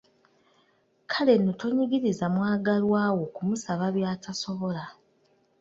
Kale nno tonyigiriza mwagalwa wo kumusaba by’atasobola.